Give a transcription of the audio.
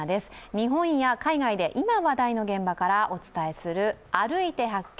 日本や海外で今話題の現場からお伝えする「歩いて発見！